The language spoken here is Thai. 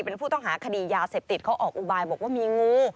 เป็นผู้ต้องหาคดียาเสพติดเขาออกอุบายบอกว่ามีงู